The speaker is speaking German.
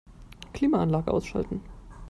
Klimaanlage ausschalten.